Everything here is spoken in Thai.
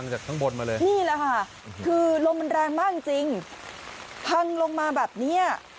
จากข้างบนมาเลยนี่แหละค่ะคือลมมันแรงมากจริงพังลงมาแบบเนี้ย